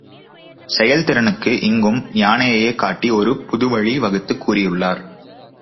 செயல்திறனுக்கு இங்கும் யானையையே காட்டி ஒரு புதுவழி வகுத்துக் கூறியுள்ளார்.